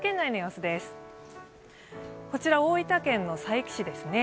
こちら、大分県佐伯市ですね。